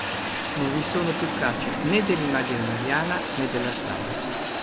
Non vi sono più tracce né dell'immagine mariana, né dell'altare.